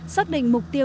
sát định mục tiêu